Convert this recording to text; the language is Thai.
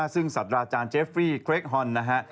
ซึ่งสัตว์อาจารย์เจฟฟี่เครกฮอนนะฮะ